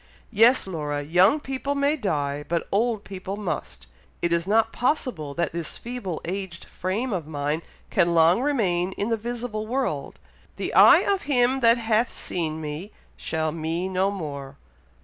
"Yes, Laura! young people may die, but old people must. It is not possible that this feeble aged frame of mine can long remain in the visible world. 'The eye of him that hath seen me shall me no more.'